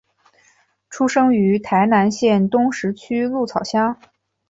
出生于台南县东石区鹿草乡。